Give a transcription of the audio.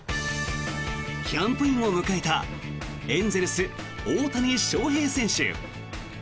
キャンプインを迎えたエンゼルス、大谷翔平選手。